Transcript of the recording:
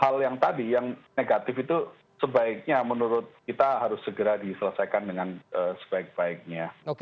hal yang tadi yang negatif itu sebaiknya menurut kita harus segera diselesaikan dengan sebaik baiknya